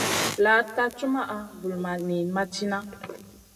Laaɗ ka cumaʼa, vulmaʼ niyn ma cina.